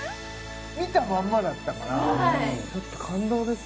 見たまんまだったからちょっと感動ですね